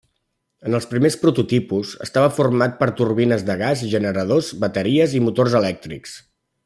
En els primers prototipus estava format per turbines de gas, generadors, bateries i motors elèctrics.